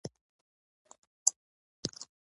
هګۍ د خوړو تنوع ته وده ورکوي.